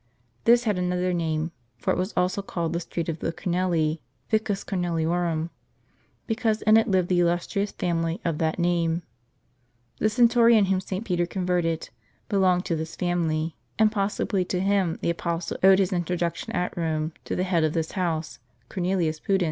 This had another name, for it was also called the street of the Cornelii, Vicus Corneliorum, because in it lived the illustrious family of that name. The centurion whom St. Peter converted t belonged to this family; and possibly to him the apostle owed his introduction at Rome to the head of his house, Cor nelius Pudens.